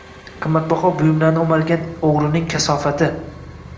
lekin qimmatbaho buyumlarni o'margan o'g'rining kasofati